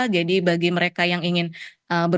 jadi bagi mereka yang ingin berbuka